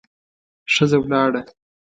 ښځه ولاړه.